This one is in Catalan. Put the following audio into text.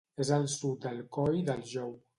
És al sud del Coll de Jou.